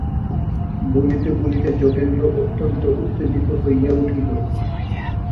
বলিতে বলিতে যোগেন্দ্র অত্যন্ত উত্তেজিত হইয়া উঠিল।